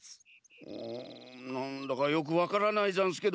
うんなんだかよくわからないざんすけど。